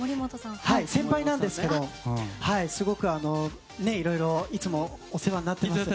先輩なんですけどすごくいろいろいつもお世話になっています。